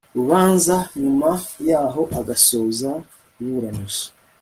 rubanza nyuma yaho agasoza iburanisha